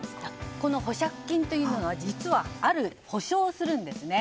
この保釈金というのは、実はある保証をするんですね。